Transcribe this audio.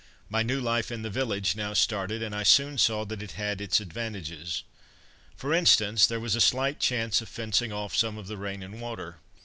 My new life in the village now started, and I soon saw that it had its advantages. For instance, there was a slight chance of fencing off some of the rain and water.